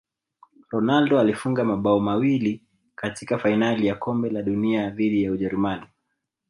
ronaldo alifunga mabao mawili katika fainali ya kombe la dunia dhidi ya ujerumani